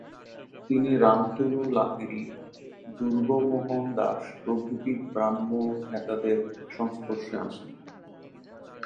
তিনি রামতনু লাহিড়ী, দুর্গামোহন দাস প্রভৃতি ব্রাহ্ম নেতাদের সংস্পর্শে আসেন।